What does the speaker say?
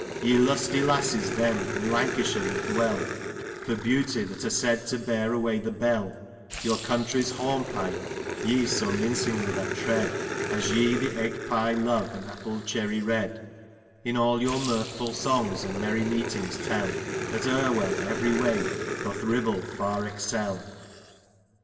" Ye lusty lasses, then, in Lancashire that dwell, '* For beauty that are said to bear away the bell, " Your country's hornpipe ye so mindngly that tread, " As ye the egg pye love, and apple cherry red, " In all your mirthful songs, and merry meetings tell " That Erwell every way doth Ribble far excel."